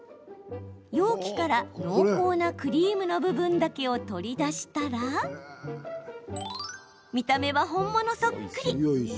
容器から濃厚なクリームの部分だけを取り出したら見た目は本物そっくり。